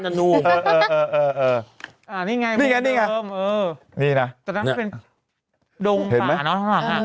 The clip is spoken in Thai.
โด่งผ่านออกข้างหลัง